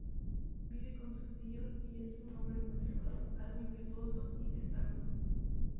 Vive con sus tíos y es un hombre conservador, algo impetuoso y testarudo.